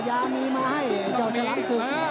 ตามต่อยกที่สองครับ